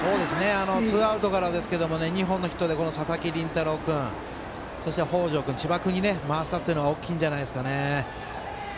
ツーアウトからですが２本のヒットで佐々木麟太郎君そして、北條君、千葉君に回したというのが大きいんじゃないですかね。